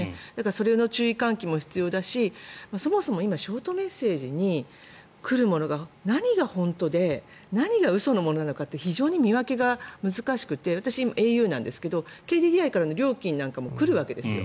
それの注意喚起も必要だしそもそも今ショートメッセージに来るものが何が本当で何が嘘のものなのかって非常に見分けが難しくて私、ａｕなんですけどＫＤＤＩからの料金なんかも来るわけですよ。